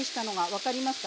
分かります。